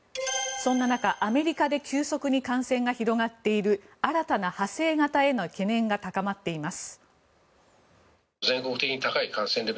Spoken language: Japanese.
そんな中、アメリカで急速に感染が広がっている新たな派生型への懸念が高まっています。